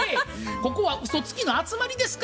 ここはうそつきの集まりですか？